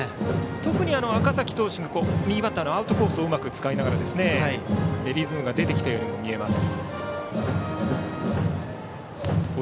特に赤嵜投手が右バッターのアウトコースをうまく使いながらリズムが出てきたように見えます。